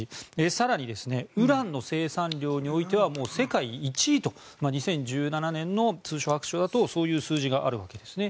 更にウランの生産量においては世界１位と２０１７年の通商白書だとそういう数字があるんですね。